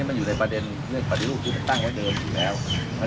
ช่วยดูแลทั้งทุพการรังคอนซื้อดูทางเรือน้องพี่น้อยเนี้ย